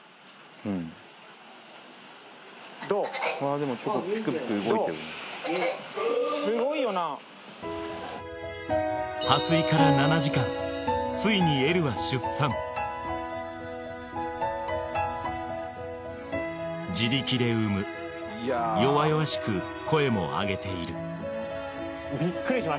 でも破水から７時間ついにエルは出産「自力で産む弱々しく声もあげている」